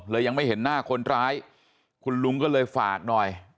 ยังไม่เห็นหน้าคนร้ายคุณลุงก็เลยฝากหน่อย